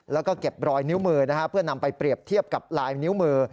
แล้วก็เก็บรอยนิ้วมือเพื่อนำไปเปรียบเทียบกับลายนิ้วมือ